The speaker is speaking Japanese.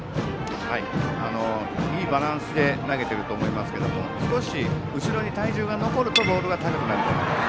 いいバランスで投げていると思いますが少し後ろに体重が残るとボールが高くなります。